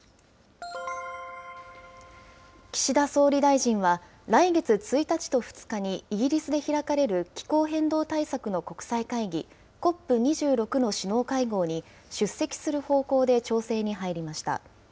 岸田総理大臣は、来月１日と２日に、イギリスで開かれる気候変動対策の国際会議、ＣＯＰ２６の首脳会合に出席する方向で調整に入りました。